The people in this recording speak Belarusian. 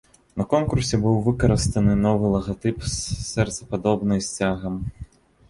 На конкурсе быў выкарыстаны новы лагатып з сэрцападобнай сцягам.